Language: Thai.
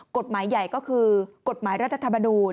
กฎหมายใหญ่ก็คือกฎหมายรัฐธรรมนูญ